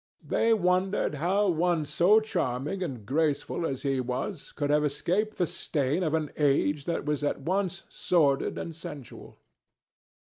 They wondered how one so charming and graceful as he was could have escaped the stain of an age that was at once sordid and sensual.